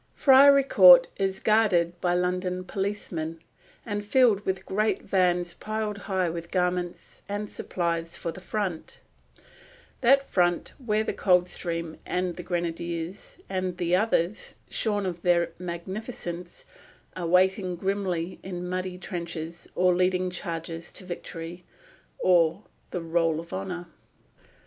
Friary Court is guarded by London policemen, and filled with great vans piled high with garments and supplies for the front that front where the Coldstream and the Grenadiers and the others, shorn of their magnificence, are waiting grimly in muddy trenches or leading charges to victory or the Roll of Honour.